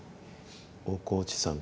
大河内さん